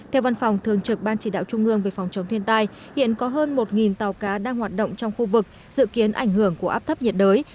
theo văn phòng thường trực ban chỉ đạo trung ương về phòng chống thiên tai hiện có hơn một tàu cá đang hoạt động trong khu vực dự kiến ảnh hưởng của áp thấp nhiệt đới